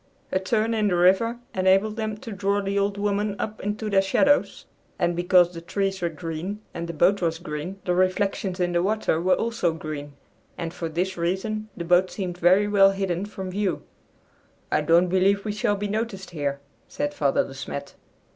A turn in the river enabled them to draw the "Old Woman" up into their shadows, and because the trees were green and the boat was green, the reflections in the water were also green, and for this reason the boat seemed very well hidden from view. "I don't believe we shall be noticed here," said Father De Smet.